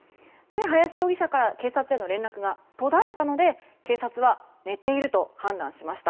林容疑者から警察への連絡が途絶えたので、警察は寝ていると判断しました。